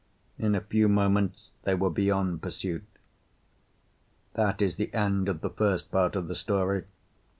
In a few moments they were beyond pursuit. That is the end of the first part of the story.